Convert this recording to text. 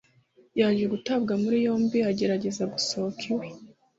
yaje gutabwa muri yombi agerageza gusohoka iwe